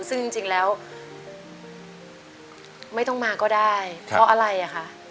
ซึ่งจริงแล้วไม่ต้องมาก็ได้เพราะอะไรอ่ะคะ